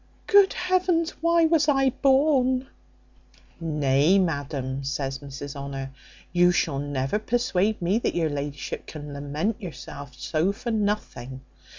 Good heavens! why was I born?" "Nay, madam," says Mrs Honour, "you shall never persuade me that your la'ship can lament yourself so for nothing.